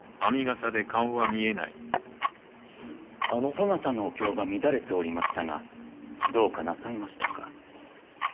そなたのお経が乱れておりましたがどうかなさいましたか？